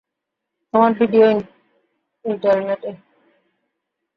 তোমার ভিডিও ইন্টারনেটে!